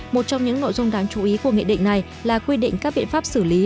một trong những nội dung đáng chú ý của nghị định này là quy định các biện pháp xử lý